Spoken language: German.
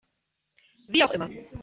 Wie auch immer.